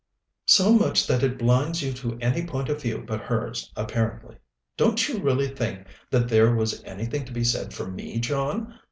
"So much that it blinds you to any point of view but hers, apparently. Don't you really think that there was anything to be said for me, John?